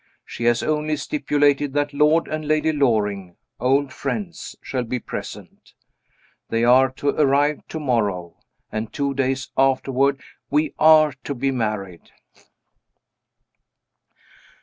She has only stipulated that Lord and Lady Loring (old friends) shall be present. They are to arrive tomorrow, and two days afterward we are to be married.